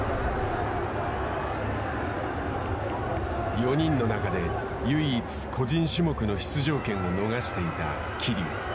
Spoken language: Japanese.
４人の中で唯一個人種目の出場権を逃していた桐生。